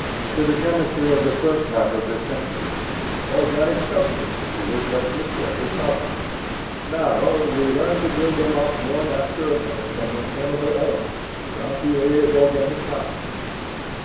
To the chem istry of the first half of this century organic substances were such mysterious objects; now, we learn to build them up one after another from their chemical elements without the aid of or ganic processes.